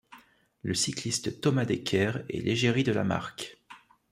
Le cycliste Thomas Dekker est l'égérie de la marque.